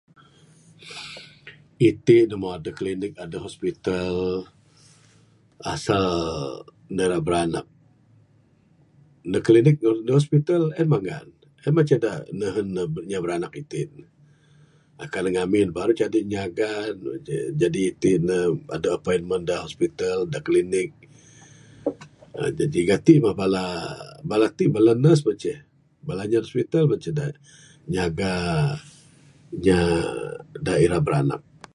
Itik ne moh aduh klinik aduh hospital. Asal ne rak biranak, ndug klinik ndug hospital en mah, en mah ceh nehun nya biranak iti ne. Kan ngamin baru ce adup nyaga ne. Je, jaji iti ne adup appointment da hospital da klinik. Jaji gatik boh bala, bala tik, bala nurse boh ce, bala nya da hospital mah ce nyaga inya da ira biranak.